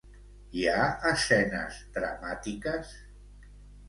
Hi ha escenes dramàtiques?